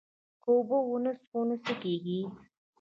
که اوبه ونه څښو نو څه کیږي